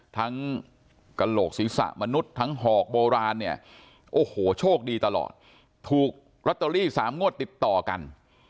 กระโหลกศีรษะมนุษย์ทั้งหอกโบราณเนี่ยโอ้โหโชคดีตลอดถูกลอตเตอรี่๓งวดติดต่อกัน